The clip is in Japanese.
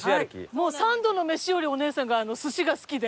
もう三度の飯よりお姉さんが寿司が好きで。